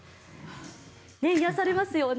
癒やされますよね。